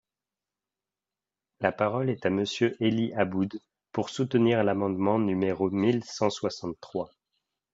La parole est à Monsieur Élie Aboud, pour soutenir l’amendement numéro mille cent soixante-trois.